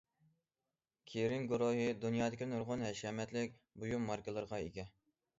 كېرىڭ گۇرۇھى دۇنيادىكى نۇرغۇن ھەشەمەتلىك بۇيۇم ماركىلىرىغا ئىگە.